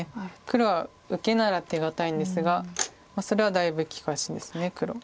黒は受けなら手堅いんですがそれはだいぶ利かしです黒。